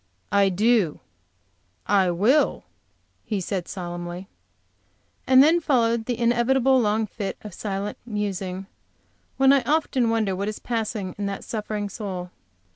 "I do, I will," he said, solemnly. And then followed the inevitable long fit of silent musing, when I often wonder what is passing in that suffering soul.